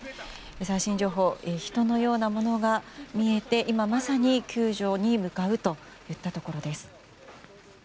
最新情報人のようなものが見えて今まさに救助に向かうといったところです。